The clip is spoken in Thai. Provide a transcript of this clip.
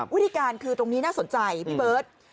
วิธีการคือตรงนี้น่าสนใจพี่เบิร์ต